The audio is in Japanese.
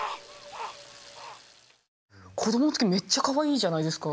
子どもの時めっちゃかわいいじゃないですか。